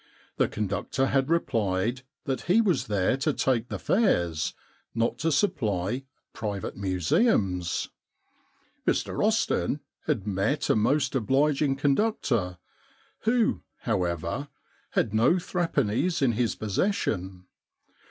The conductor had replied that he was there to take the fares, not to supply private museums. Mr Austin had met a most obliging conductor, who, however, had no threepennies in his posses sion.